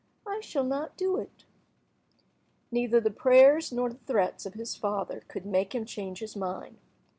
I shall not do it." Neither the prayers nor the threats of his father could make him change his mind.